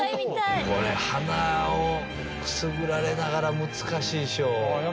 鼻をくすぐられながら難しいでしょ。